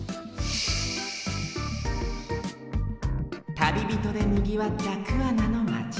旅人でにぎわった桑名の町。